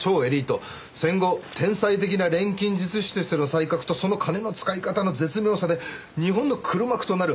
戦後天才的な錬金術師としての才覚とその金の使い方の絶妙さで日本の黒幕となる。